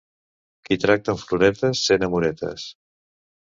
Qui tracta amb floretes sent amoretes.